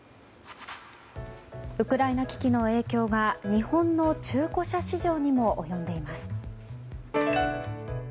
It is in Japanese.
ウクライナ危機の影響が日本の中古車市場にも及んでいます。